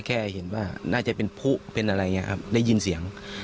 แค่เห็นว่าน่าจะเป็นผู้เป็นอะไรอย่างนี้ครับได้ยินเสียง